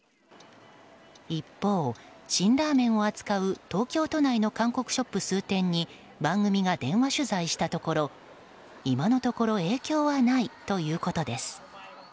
一方、辛ラーメンを扱う東京都内の韓国ショップ数店に番組が電話取材したところ今のところ影響はないということです。